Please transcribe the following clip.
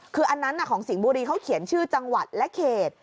คืออันนั้นของสิงห์บุรีเขาเขียนชื่อจังหวัดและเขต